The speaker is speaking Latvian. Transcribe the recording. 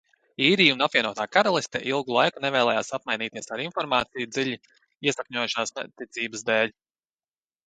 Īrija un Apvienotā Karaliste ilgu laiku nevēlējās apmainīties ar informāciju dziļi iesakņojušās neticības dēļ.